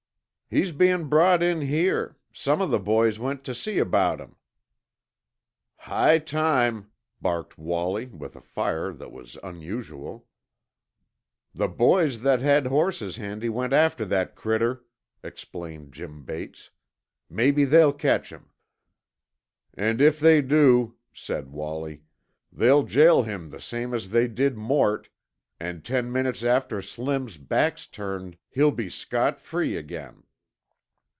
"He's bein' brought in here. Some of the boys went tuh see about him." "High time," barked Wallie with a fire that was unusual. "The boys that had horses handy went after that critter," explained Jim Bates. "Maybe they'll catch him." "And if they do," said Wallie, "they'll jail him the same as they did Mort, an' ten minutes after Slim's back's turned, he'll be scot free again."